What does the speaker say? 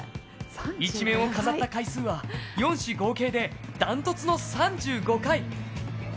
一面を飾った回数は４紙合計でダントツの３５回。